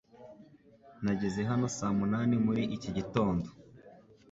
Nageze hano saa munani muri iki gitondo.